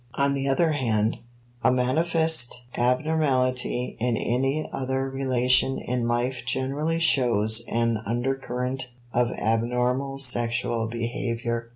On the other hand, a manifest abnormality in any other relation in life generally shows an undercurrent of abnormal sexual behavior.